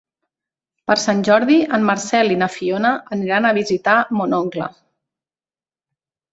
Per Sant Jordi en Marcel i na Fiona aniran a visitar mon oncle.